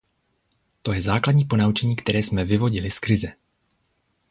To je základní ponaučení, které jsme vyvodili z krize.